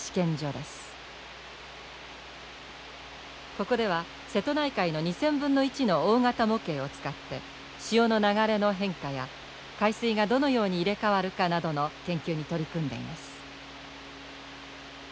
ここでは瀬戸内海の２０００分の１の大型模型を使って潮の流れの変化や海水がどのように入れ代わるかなどの研究に取り組んでいます。